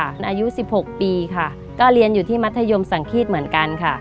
อายุ๑๖ปีค่ะก็เรียนอยู่ที่มัธยมสังฆีตเหมือนกันค่ะ